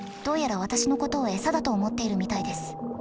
どうやら私のことを餌だと思っているみたいです。